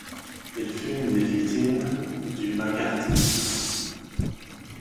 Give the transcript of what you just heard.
Il fut une des victimes du Maccarthysme.